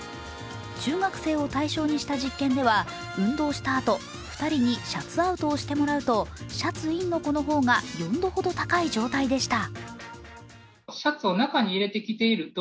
中学生を対象にした実験では、運動したあと２人にシャツアウトをしてもらうとシャツインの子の方が４度ほど高い状態でした。